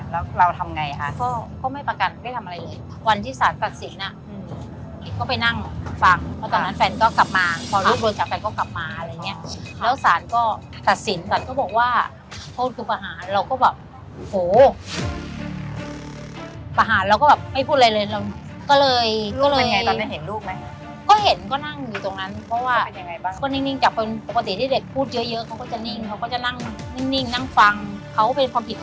แล้วเราทำไงฮะก็ไม่ประกันไม่ทำอะไรเลยวันที่ศาสตร์ตัดสินอะก็ไปนั่งฟังแล้วตอนนั้นแฟนก็กลับมาพอลูกโดนจับแฟนก็กลับมาอะไรเงี้ยแล้วศาสตร์ก็ตัดสินศาสตร์ก็บอกว่าโทษคือประหารเราก็แบบโหประหารเราก็แบบไม่พูดอะไรเลยเราก็เลยก็เลยลูกเป็นไงตอนนั้นเห็นลูกไหมก็เห็นก็นั่งอยู่ตรงนั้นเพร